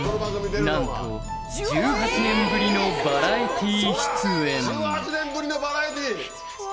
なんと１８年ぶりのバラエティー！